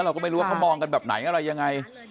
เราก็ไม่รู้ว่าเขามองกันแบบไหนอะไรยังไง